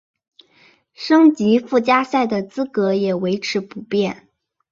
升级附加赛的资格也维持不变。